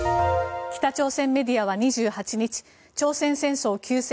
北朝鮮メディアは２８日朝鮮戦争休戦